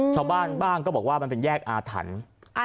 ชาวบ้านบ้างก็บอกว่ามันเป็นแยกอาถรรพ์